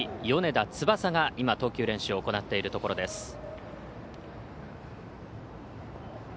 翼が今投球練習を行っているところです。